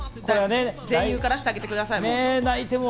全員、受からせてあげてください。